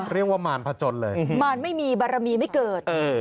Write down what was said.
เรียกว่ามารพจนเลยไม่มีเบลอมีไม่เกิดเออ